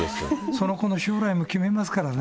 その子の将来も決めますからね。